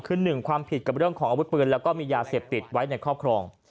คือ๑ความผิดกับเรื่องของอาวุธปืนแล้วก็มียาเสพติดไว้ในครอบครอง